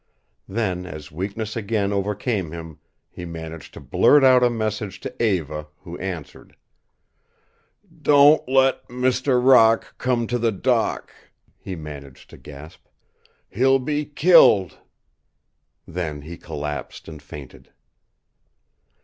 Then as weakness again overcame him he managed to blurt out a message to Eva, who answered. "Don't let Mr. Locke come to the dock," he managed to gasp. "He'll be killed." Then he collapsed and fainted.